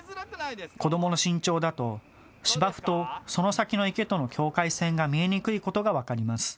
子どもの身長だと芝生とその先の池との境界線が見えにくいことが分かります。